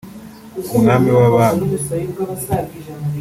Umwami w’Abami